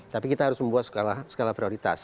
tapi kita harus membuat skala prioritas